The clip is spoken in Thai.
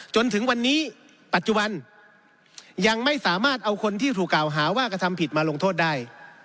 จนถึงวันนี้ปัจจุบันยังไม่สามารถเอาคนที่ถูกกล่าวหาว่ากระทำผิดมาลงโทษได้